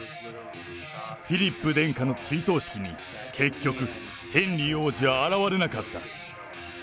フィリップ殿下の追悼式に、結局、ヘンリー王子は現れなかった。